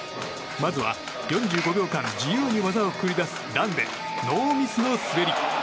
まずは、４５秒間自由に技を繰り出すランでノーミスの滑り。